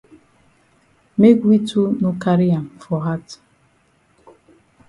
Make we too no carry am for hat.